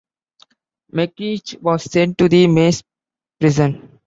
McCreesh was sent to the Maze Prison.